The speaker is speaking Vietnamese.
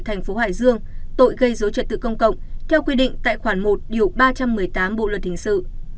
thành phố hải dương tội gây dối trật tự công cộng theo quy định tại khoản một điều ba trăm một mươi tám bộ luật hình sự